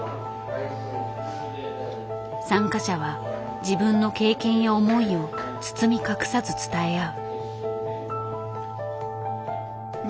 参加者は自分の経験や思いを包み隠さず伝え合う。